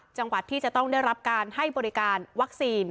จังหวัดที่จะต้องได้รับการให้บริการวัคซีน